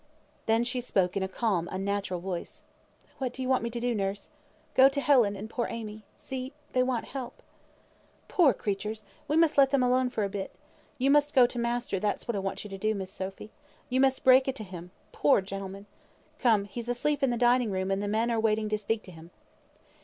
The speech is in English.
Then she spoke in a calm unnatural voice. "What do you want me to do, nurse? Go to Helen and poor Amy. See, they want help." "Poor creatures! we must let them alone for a bit. You must go to master; that's what I want you to do, Miss Sophy. You must break it to him, poor old gentleman. Come, he's asleep in the dining room, and the men are waiting to speak to him."